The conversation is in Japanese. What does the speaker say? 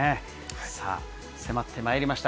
さあ、迫ってまいりました、